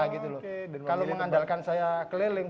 kalau mengandalkan saya keliling